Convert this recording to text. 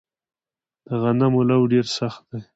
د غنمو لوو ډیر سخت دی